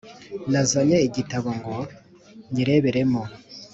Nazanye igitabo ngo nyireberemo